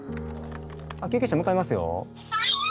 救急車向かいますよ。